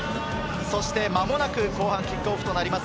間もなく後半キックオフとなります。